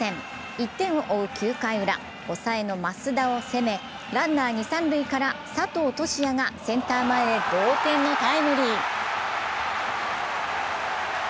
１点を追う９回のウラ抑えの増田を攻めランナーニ・三塁から佐藤都志也がセンター前へ同点のタイムリー。